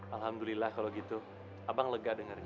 alhamdulillah kalo gitu abang lega dengernya